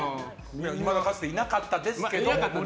いまだかつていなかったですけど。